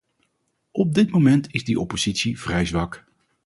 Op dit moment is die oppositie vrij zwak.